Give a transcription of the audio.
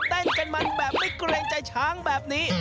เต้นกันมันแบบไม่เกรงใจช้างแบบนี้